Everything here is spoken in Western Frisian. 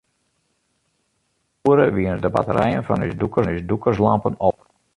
Nei in oere wiene de batterijen fan ús dûkerslampen op.